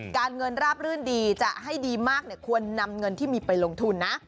การเงินราบรื่นดีจะให้ดีมากควรนำเงินที่มีไปลงทุนนะ